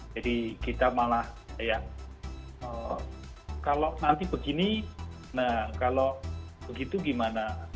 jadi kita malah ya kalau nanti begini nah kalau begitu gimana